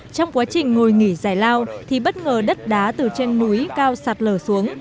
trong quá trình ngồi nghỉ giải lao thì bất ngờ đất đá từ trên núi cao sạt lở xuống